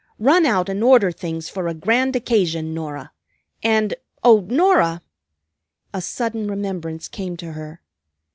Run out and order things for a grand occasion, Norah. And O Norah!" a sudden remembrance came to her.